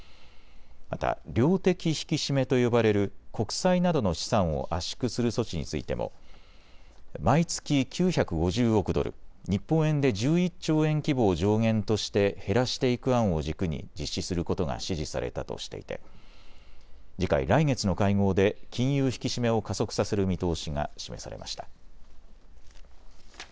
また量的引き締めと呼ばれる国債などの資産を圧縮する措置についても毎月９５０億ドル、日本円で１１兆円規模を上限として減らしていく案を軸に実施することが支持されたとしていて次回、来月の会合で金融引き締めを加速させる見通しが示されました。